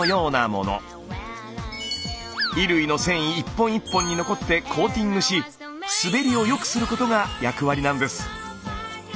衣類の繊維一本一本に残ってコーティングし滑りを良くすることが役割なんです。